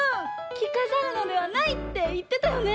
「きかざるのではない」っていってたよね。